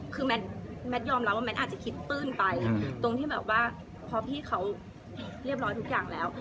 คือแมทยอมรับว่าแมทอาจจะคิดปื้นไปตรงที่แบบว่าพอพี่เขาเรียบร้อยทุกอย่างแล้ว